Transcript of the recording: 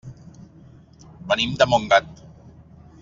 Venim de Montgat.